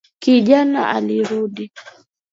Kijana alirudi.